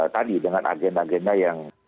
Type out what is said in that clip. tadi dengan agenda agenda yang